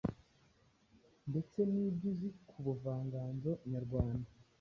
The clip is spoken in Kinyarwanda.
ndetse n’ibyo uzi ku buvanganzo nyarwanda.